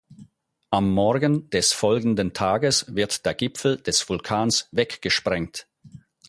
Am Morgen des folgenden Tages wird der Gipfel des Vulkans weggesprengt.